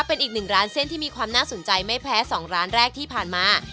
เป็นอีกหนึ่งร้านเส้นที่มีความน่าสนใจไม่แพ้๒ร้านแรกที่ผ่านมา